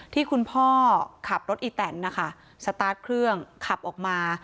ที่คุณพ่อขับรถอีแตนนะคะสตาร์ทเครื่องขับออกมา